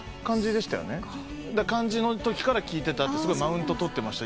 漢字のときから聴いてたってすごいマウント取ってました。